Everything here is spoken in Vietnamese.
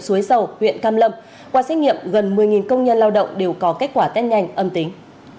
suối dầu huyện cam lâm qua xét nghiệm gần một mươi công nhân lao động đều có kết quả test nhanh âm tính